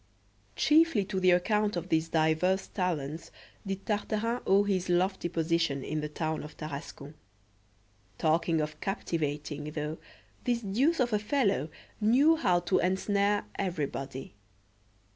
CHIEFLY to the account of these diverse talents did Tartarin owe his lofty position in the town of Tarascon. Talking of captivating, though, this deuce of a fellow knew how to ensnare everybody.